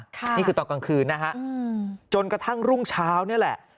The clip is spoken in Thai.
นี่คือตอนกลางคืนนะฮะจนกระทั่งรุ่งเช้านี่แหละ